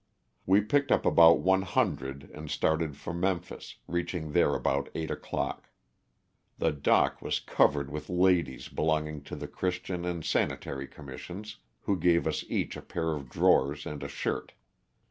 We picked up about one hundred and started for Memphis, reaching there about eight o'clock. The dock was covered with ladies belonging to the Christian and Sanitary Commissions, who gave us each a pair of drawers and a shirt.